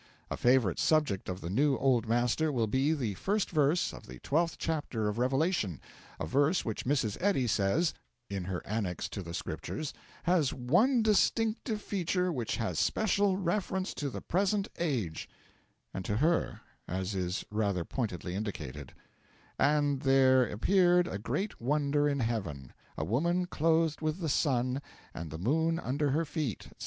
A favourite subject of the new Old Master will be the first verse of the twelfth chapter of Revelation a verse which Mrs. Eddy says (in her Annex to the Scriptures) has 'one distinctive feature which has special reference to the present age' and to her, as is rather pointedly indicated: 'And there appeared a great wonder in heaven a woman clothed with the sun and the moon under her feet,' etc.